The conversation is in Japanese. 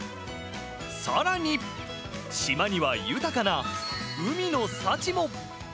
さらに島には豊かな海の幸も。